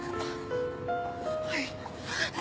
はい。